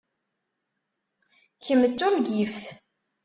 Kemm d tungift!